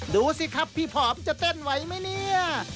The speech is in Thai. ดูสิครับพี่ผอมจะเต้นไหวไหมเนี่ย